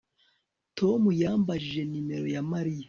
Tom yambajije nimero ya Mariya